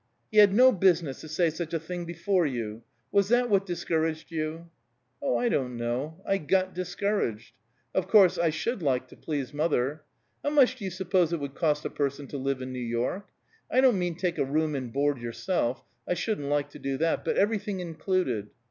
"He had no business to say such a thing before you. Was that what discouraged you?" "Oh, I don't know. I got discouraged. Of course, I should like to please mother. How much do you suppose it would cost a person to live in New York? I don't mean take a room and board yourself; I shouldn't like to do that; but everything included."